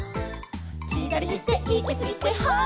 「ひだりいっていきすぎてはっ」